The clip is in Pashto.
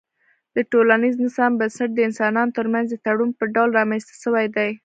د ټولنيز نظام بنسټ د انسانانو ترمنځ د تړون په ډول رامنځته سوی دی